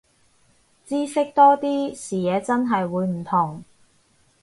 知識多啲，視野真係會唔同